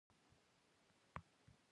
هغه همدا شېبه دباندې ووت او لاړ